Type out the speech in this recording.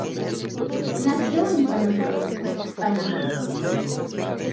Nació en Panamá, Panamá.